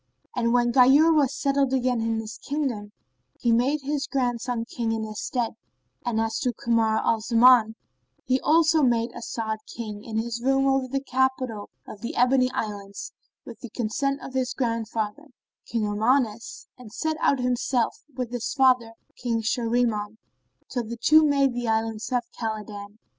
And when Ghayur was settled again in his kingdom, he made his grandson King in his stead; and as to Kamar al Zaman he also made As'ad king in his room over the capital of the Ebony Islands, with the consent of his grandfather, King Armanus and set out himself, with his father, King Shahriman, till the two made the Islands of Khбlidan.